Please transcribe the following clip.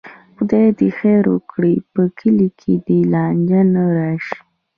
خدای دې خیر وکړي، په کلي کې دې لانجه نه راشي.